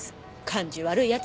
感じ悪い奴！